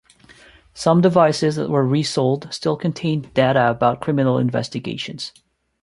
Some devices that were resold still contained data about criminal investigations.